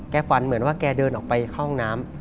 ฝันเหมือนว่าแกเดินออกไปเข้าห้องน้ำ